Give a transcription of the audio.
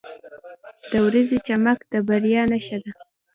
• د ورځې چمک د بریا نښه ده.